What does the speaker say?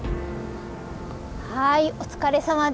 はいお疲れさまです。